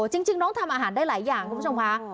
จริงน้องทำอาหารได้หลายอย่างคุณผู้ชมค่ะ